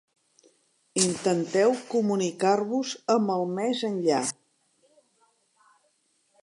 Intenteu comunicar-vos amb el més enllà.